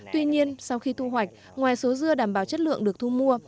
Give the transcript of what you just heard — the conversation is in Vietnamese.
tuy nhiên sau khi thu hoạch ngoài số dưa đảm bảo chất lượng được thu mua